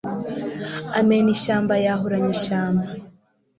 amena ishyamba yahuranya ishyamba